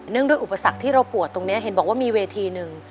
ด้วยอุปสรรคที่เราปวดตรงนี้เห็นบอกว่ามีเวทีหนึ่ง